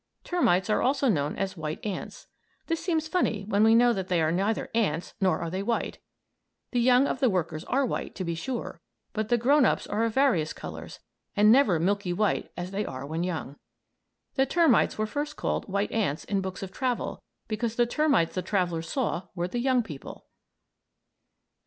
Termites are also known as "white ants." This seems funny when we know that they are neither "ants" nor are they white. The young of the workers are white, to be sure, but the grown ups are of various colors, and never milky white as they are when young. The termites were first called "white ants" in books of travel because the termites the travellers saw were the young people.